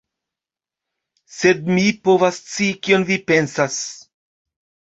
Sed mi volas scii kion vi pensas.